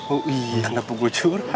oh iya kenapa gua curhat